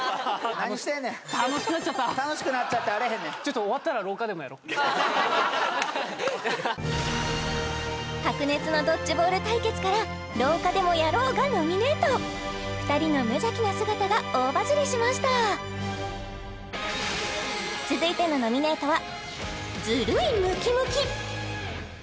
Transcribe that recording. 何してんねん楽しくなっちゃったあれへんねん白熱のドッジボール対決からがノミネート２人の無邪気な姿が大バズりしました続いてのノミネートは・